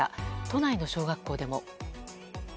都内の小学校でも。